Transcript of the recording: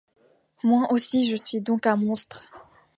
Moi aussi je suis donc un monstre !